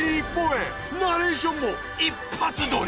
ナレーションも一発撮り！